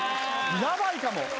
ヤバいかも。